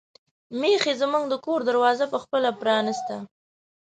میښې زموږ د کور دروازه په خپله پرانیسته.